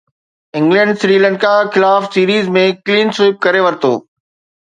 England Sri Lanka خلاف series ۾ clean sweep ڪري ورتو